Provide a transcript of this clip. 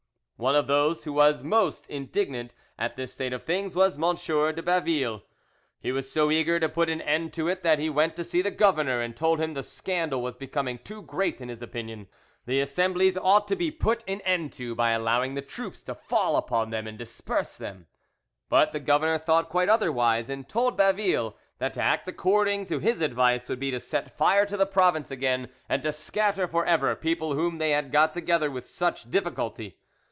One of those who was most indignant at this state of things was M. de Baville. He was so eager to put an end to it that he went to see the governor, and told him the scandal was becoming too great in his opinion: the assemblies ought to be put an end to by allowing the troops to fall upon them and disperse them; but the governor thought quite otherwise, and told Baville that to act according to his advice would be to set fire to the province again and to scatter for ever people whom they had got together with such difficulty.